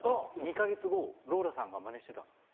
２か月後ローラさんがマネしてたんですよ。